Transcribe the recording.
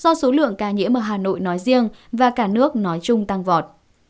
do số lượng ca nhĩa mở hà nội nói riêng và cả nước nói chung tăng vọt